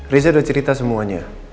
riza udah cerita semuanya